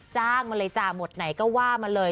มาเลยจ้ะหมดไหนก็ว่ามาเลย